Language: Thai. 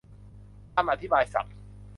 คำอธิบายศัพท์